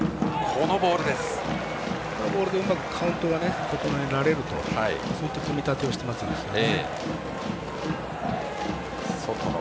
こういうボールでカウントが整えられる、そういった組み立てをしていますね。